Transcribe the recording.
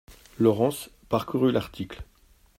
Laurence parcourut l'article.